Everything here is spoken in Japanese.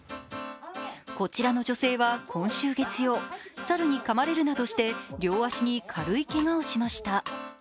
こちらの女性は、今週月曜、猿にかまれるなどして両足に軽いけがをしました。